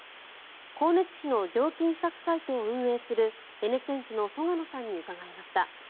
光熱費の料金比較サイトを運営するエネチェンジの曽我野さんに聞きました。